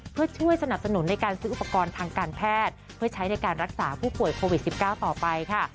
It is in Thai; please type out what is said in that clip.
เพื่อช่วยสนับสนุนในการซื้ออุปกรณ์ทางการแพทย์เพื่อใช้ในการรักษาผู้ป่วยโควิด๑๙ต่อไปค่ะ